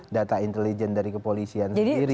data intelijen dari kepolisian sendiri